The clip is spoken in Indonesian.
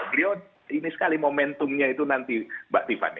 beliau ini sekali momentumnya itu nanti mbak tiffany